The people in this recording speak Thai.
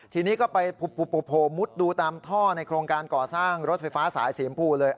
ทีนี้ก็ไปโผล่มุดดูตามท่อในโครงการก่อสร้างรถไฟฟ้าสายสีชมพูเลย